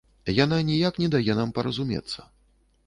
Яна ніяк не дае нам паразумецца.